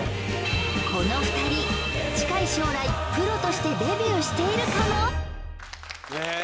この２人近い将来プロとしてデビューしているかもへえ